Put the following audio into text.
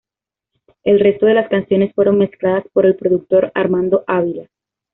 El resto de las canciones fueron mezcladas por el productor Armando Ávila.